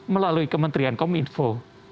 melalui kementerian kominfo